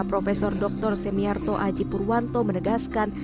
prof dr semiarto aji purwanto menegaskan